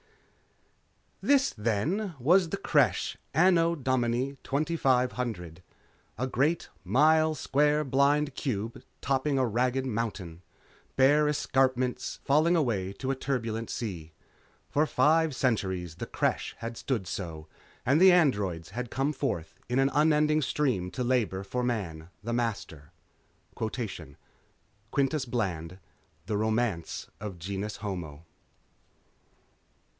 __This, then, was the Creche, Anno Domini 2500. A great, mile square blind cube topping a ragged mountain; bare escarpments falling away to a turbulent sea. For five centuries the Creche had stood so, and the Androids had come forth in an unending stream to labor for Man, the Master...._ _Quintus Bland, The Romance of Genus Homo.